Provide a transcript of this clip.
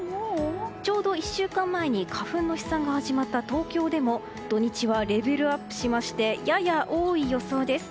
ちょうど１週間前に花粉の飛散が始まった東京でも土日はレベルアップしましてやや多い予想です。